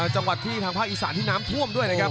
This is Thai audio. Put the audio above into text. จังหวัดที่ทางภาคอีสานที่น้ำท่วมด้วยนะครับ